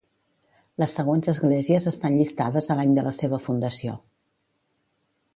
Les següents esglésies estan llistades a l'any de la seva fundació.